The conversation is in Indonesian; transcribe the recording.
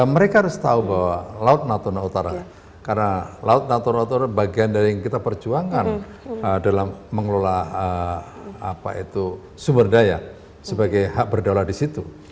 mereka harus tahu bahwa laut natuna utara karena laut natura utara bagian dari yang kita perjuangkan dalam mengelola sumber daya sebagai hak berdaulat di situ